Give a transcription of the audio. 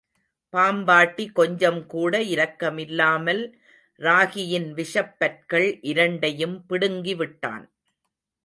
பாம்பாட்டி கொஞ்சம் கூட இரக்கமில்லாமல் ராகியின் விஷப் பற்கள் இரண்டையும் பிடுங்கி விட்டான்.